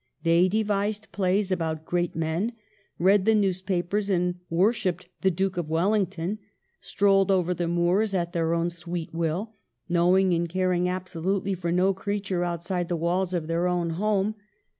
They devised plays about great men, read the newspapers, and wor shipped the Duke of Wellington, strolled over the moors at their own sweet will, knowing and caring absolutely for no creature outside the walls of their own home.